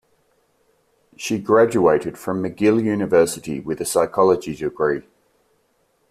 She graduated from McGill University with a Psychology degree.